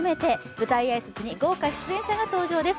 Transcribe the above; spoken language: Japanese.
舞台挨拶に豪華出演者が登場です。